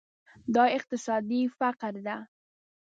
دا اقتصادي فقر ده.